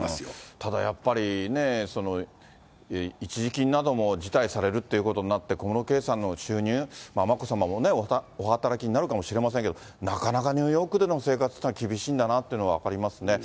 ただ、やっぱりね、一時金なども辞退されるっていうことになって、小室圭さんの収入、眞子さまもね、お働きになるかもしれませんけど、なかなかニューヨークでの生活っていうのは厳しいんだなっていうのは分かりますね。